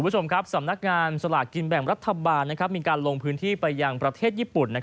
สำนักงานสลักกินแบ่งรัฐบาลมีการลงพื้นที่ไปยังประเทศญี่ปุ่น